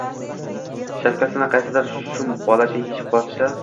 shapkasini qaysidir shum bolacha yechib qochsa